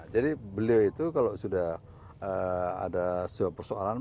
jadi beliau itu kalau sudah ada sebuah persoalan ya